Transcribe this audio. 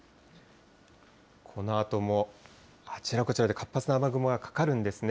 このあともあちらこちらで活発な雨雲がかかるんですね。